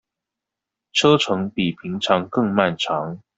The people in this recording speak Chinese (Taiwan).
車程比平常更漫長